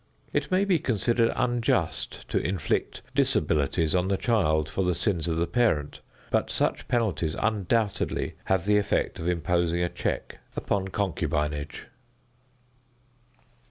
It may be considered unjust to inflict disabilities on the child for the sins of the parent, but such penalties undoubtedly have the effect of imposing a check upon concubinage.